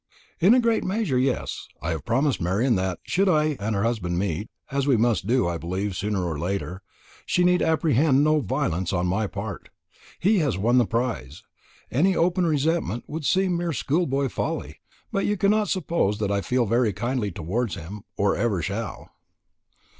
"In a great measure, yes. I have promised Marian that, should I and her husband meet, as we must do, I believe, sooner or later, she need apprehend no violence on my part. He has won the prize; any open resentment would seem mere schoolboy folly. But you cannot suppose that I feel very kindly towards him, or ever shall."